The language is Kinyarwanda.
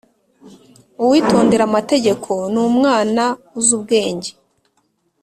uwitondera amategeko ni umwana uzi ubwenge